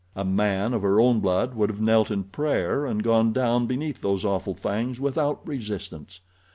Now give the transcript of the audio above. A man of her own blood would have knelt in prayer and gone down beneath those awful fangs without resistance.